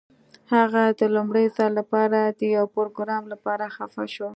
هغه د لومړي ځل لپاره د یو پروګرامر لپاره خفه شو